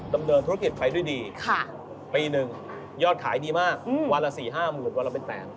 ดำเนินธุรกิจไปด้วยดีปีหนึ่งยอดขายดีมากวันละ๔๕๐๐๐วันละเป็นแสน